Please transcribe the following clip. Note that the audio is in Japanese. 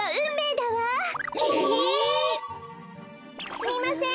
すみません